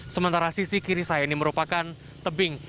sementara sisi kiri saya ini merupakan tebing